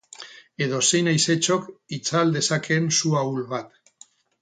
Edozein haizetxok itzal dezakeen su ahul bat.